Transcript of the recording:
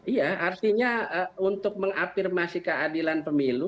iya artinya untuk mengapirmasi keadilan pemilu